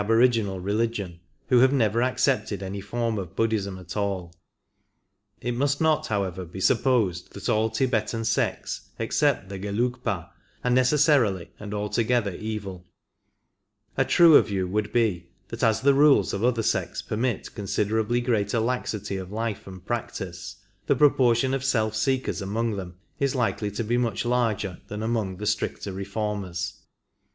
boriginal religion, who have never accepted any form of Buddhism at all. It must not, however, be supposed that all Tibetan sects except the Gelfigpa are necessarily and altogether evil; a truer view would be that as the rules of other sects permit considerably greater laxity of life and practice, the proportion of self seekers among them is likely to be much larger than among the stricter reformers.